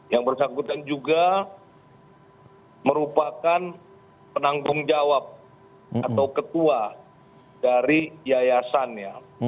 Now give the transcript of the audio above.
yang bersangkutan juga merupakan penanggung jawab atau ketua dari yayasan ya